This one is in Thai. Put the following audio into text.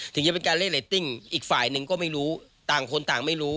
ถึงจะเป็นการเล่นเรตติ้งอีกฝ่ายหนึ่งก็ไม่รู้ต่างคนต่างไม่รู้